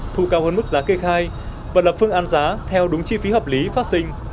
thu cao hơn mức giá kê khai và lập phương an giá theo đúng chi phí hợp lý phát sinh